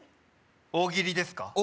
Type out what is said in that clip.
大喜利ですか？